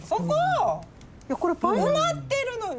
埋まってるのに。